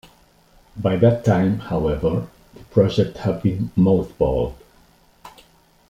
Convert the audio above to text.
By that time, however, the project had been mothballed.